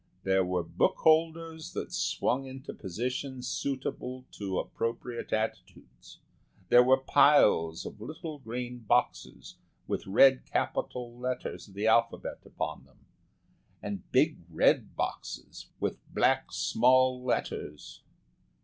There were book holders that swung into positions suitable to appropriate attitudes; there were piles of little green boxes with red capital letters of the alphabet upon them, and big red boxes with black small letters.